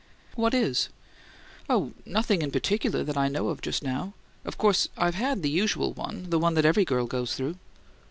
"What is?" "Oh, nothing in particular that I know of just now. Of course I've had the usual one: the one that every girl goes through."